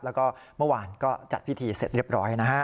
แล้วก็เมื่อวานก็จัดพิธีเสร็จเรียบร้อยนะฮะ